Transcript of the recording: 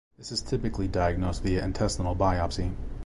This is typically diagnosed via intestinal biopsy.